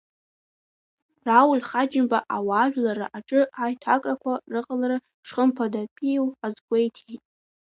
Рауль Ҳаџьымба ауаажәларра рҿы аиҭакрақәа рыҟалара шхымԥадатәиу азгәеиҭеит.